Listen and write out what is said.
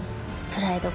プライド？